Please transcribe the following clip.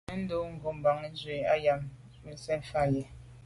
Nèn ndo’ ngo’ bàn nzwi am nse’ mfà yi.